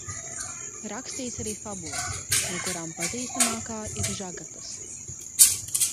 "Rakstījis arī fabulas, no kurām pazīstamākā ir "Žagatas"."